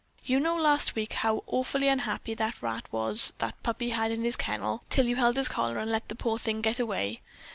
You know last week how awful unhappy that rat was that puppy had in his kennel, till you held his collar and let the poor thing get away."